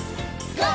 ＧＯ！